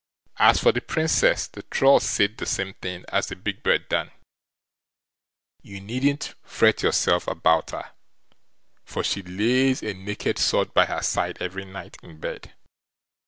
As for the Princess the Troll said the same thing as the Big Bird Dan. "You needn't fret yourself about her, for she lays a naked sword by her side every night in bed.